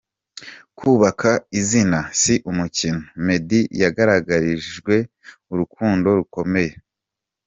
Kubaka izina si umukino, Meddy yagaragarijwe urukundo rukomeye.